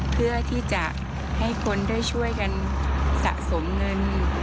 เพื่อที่จะให้คนได้ช่วยกันสะสมเงิน